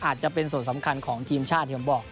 อาจจะเป็นส่วนสำคัญของทีมชาติที่ผมบอก